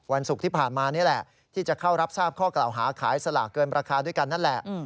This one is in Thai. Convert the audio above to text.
ศุกร์ที่ผ่านมานี่แหละที่จะเข้ารับทราบข้อกล่าวหาขายสลากเกินราคาด้วยกันนั่นแหละ